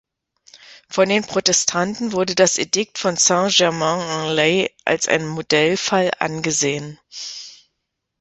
Von den Protestanten wurde das Edikt von Saint-Germain-en-Laye als ein Modellfall angesehen.